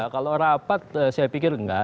kalau rapat saya pikir enggak